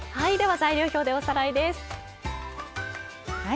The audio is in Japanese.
材料表でおさらいです。